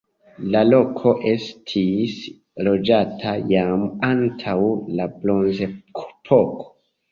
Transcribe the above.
La loko estis loĝata jam antaŭ la bronzepoko.